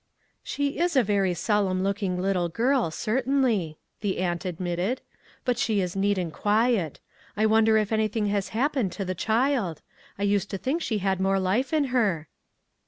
" She is a very solemn looking little girl, cer tainly," the aunt admitted, " but she is neat and quiet. I wonder if anything has happened to the child? I used to think she had more life in her."